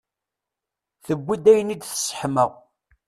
Tewwi-d ayen i d-tesseḥma.